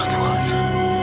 kamu udah gak apa apa